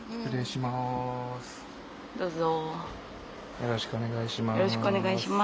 よろしくお願いします。